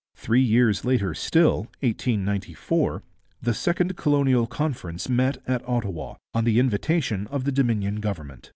Three years later still (1894) the second Colonial Conference met at Ottawa, on the invitation of the Dominion Government.